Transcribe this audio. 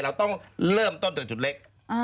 เราต้องเริ่มต้นโดยจุดเล็ก